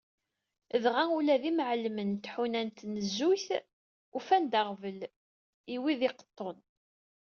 Dɣa ula d imεellmen n tḥuna n tnezzuyt ufan-d aɣbel d wid i iqeṭṭun.